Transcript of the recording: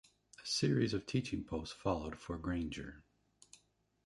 A series of teaching posts followed for Grainger.